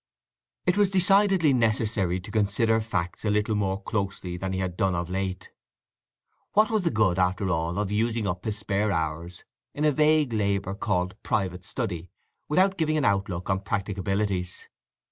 It was decidedly necessary to consider facts a little more closely than he had done of late. What was the good, after all, of using up his spare hours in a vague labour called "private study" without giving an outlook on practicabilities?